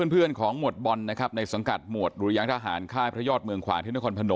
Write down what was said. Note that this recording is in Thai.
ประกบตัดหน้าแล้วยิงใช่ครับมอไซด์เหมือนกัน